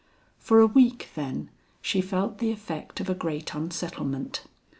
For a week, then, she felt the effect of a great unsettlement.